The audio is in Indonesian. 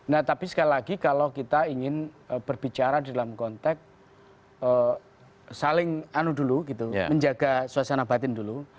nah tapi sekali lagi kalau kita ingin berbicara dalam konteks saling anu dulu gitu menjaga suasana batin dulu